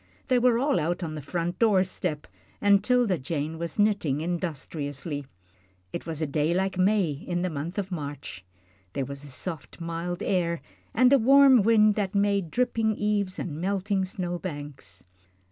They were all out on the front door step, and 'Tilda Jane was knitting industriously. It was a day like May in the month of March there was a soft, mild air and a warm sun that made dripping eaves and melting snow banks.